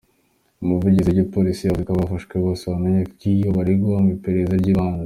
Umuvugizi w’igipolisi yavuze ko abafashwe bose bamenyeshejwe ibyo baregwa mu iperereza ry’ibanze.